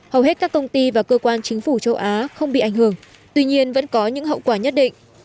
hầu hết các công ty và cơ quan chính phủ châu á không bị ảnh hưởng tuy nhiên vẫn có những hậu quả nhất định